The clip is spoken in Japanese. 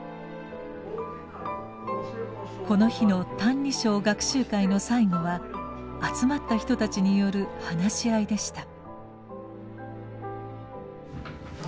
この日の「歎異抄」学習会の最後は集まった人たちによる話し合いでした。